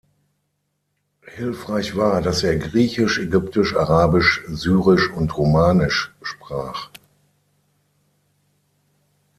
Hilfreich war, dass er Griechisch, Ägyptisch, Arabisch, Syrisch und Romanisch sprach.